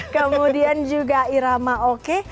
kemudian juga irama oke